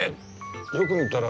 よく見たら。